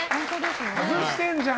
外してんじゃん！